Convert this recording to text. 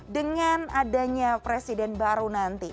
dengan adanya presiden baru nanti